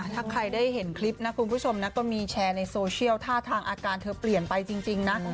ถ้าใครได้เห็นคลิปนะคุณผู้ชมนะก็มีแชร์ในโซเชียลท่าทางอาการเธอเปลี่ยนไปจริงนะ